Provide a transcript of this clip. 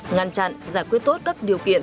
ngăn chặn giải quyết tốt các điều kiện